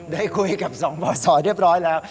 ได้คุยกับสองบอสสอยเรียบร้อยแล้ว